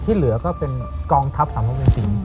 ที่เหลือก็เป็นกองทัพ๓๖๑สิ่ง